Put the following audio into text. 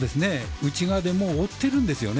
内側で追ってるんですよね。